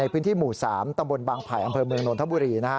พื้นที่หมู่๓ตำบลบางไผ่อำเภอเมืองนนทบุรี